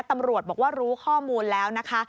ตำรวจบอกว่ารู้ข้อมูลแล้วนะคะ